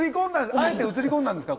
あえて写り込んだんですか？